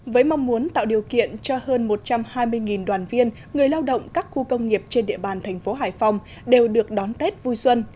với mong muốn tạo điều kiện cho hơn một trăm hai mươi đoàn viên người lao động các khu công nghiệp trên địa bàn thành phố hải phòng đều được đón tết vui xuân